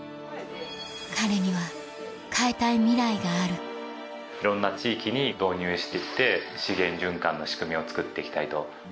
彼には変えたいミライがあるいろんな地域に導入して行って資源循環の仕組みを作って行きたいと。